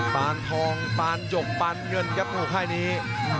ปานทองปานหยกปานเงินครับหูค่ายนี้